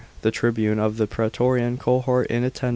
The tribune of the praetorian cohort in attendance then * Bk.